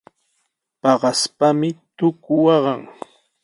Paqaspami tuku waqan.